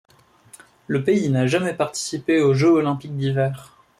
Le pays n'a jamais participé aux Jeux olympiques d'hiver.